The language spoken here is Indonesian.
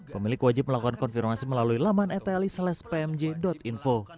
pemilik wajib melakukan konfirmasi melalui laman etli